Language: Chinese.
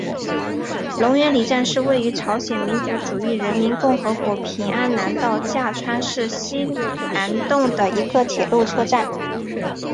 龙源里站是位于朝鲜民主主义人民共和国平安南道价川市西南洞的一个铁路车站。